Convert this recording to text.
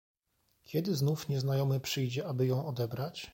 "Kiedy znów nieznajomy przyjdzie, aby ją odebrać?"